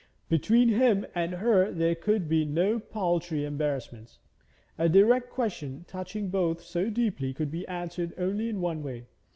Between him and her there could be no paltry embarrassments. A direct question touching both so deeply could be answered only in one way.